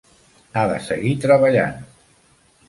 Ha de seguir treballant.